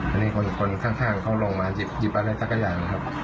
อันนี้คนข้างเขาลงมาหยิบอะไรสักอย่างนะครับ